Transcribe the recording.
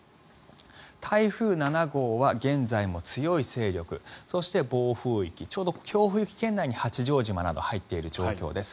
台風７号は現在も強い勢力そして暴風域ちょうど強風域圏内に八丈島など入っている状況です。